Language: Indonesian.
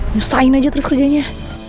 nyusahin aja terus kerjanya